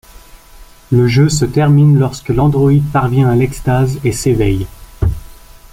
Le jeu se termine lorsque l'androïde parvient à l'Extase et s'éveille.